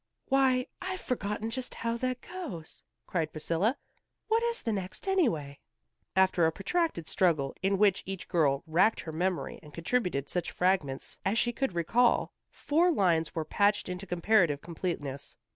"Why, I've forgotten just how that goes," cried Priscilla. "What is the next, anyway?" After a protracted struggle, in which each girl racked her memory and contributed such fragments as she could recall, four lines were patched into comparative completeness.